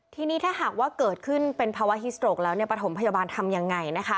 ทีนี้ถ้าหากว่าเกิดขึ้นเป็นภาวะฮิสโตรกแล้วปฐมพยาบาลทำยังไง